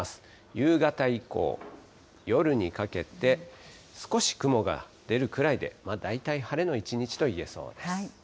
夕方以降、夜にかけて、少し雲が出るくらいで、大体晴れの一日といえそうです。